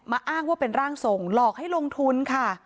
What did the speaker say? อ้างว่าเป็นร่างทรงหลอกให้ลงทุนค่ะ